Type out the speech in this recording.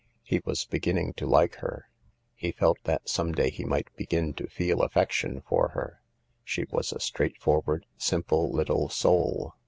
He was beginning to like her ; he felt that some day he might begin to feel affection for her. She was a straightforward, simple little soul.